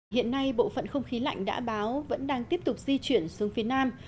hiện nay bộ phận không khí lạnh đã báo vẫn đang tiếp tục di chuyển xuống phía nam